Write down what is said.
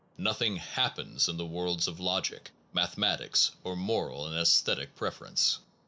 Nothing happens in the worlds of logic, mathematics or moral and aesthetic preference.